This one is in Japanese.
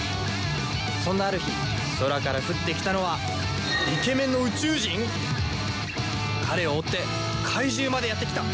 そんなある日空から降ってきたのは彼を追って怪獣までやってきた。